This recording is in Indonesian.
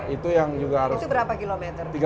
itu berapa km